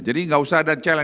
jadi enggak usah ada challenge